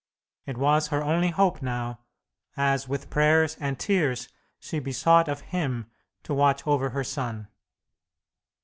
It was her only hope now, as with prayers and tears she besought of Him to watch over her son.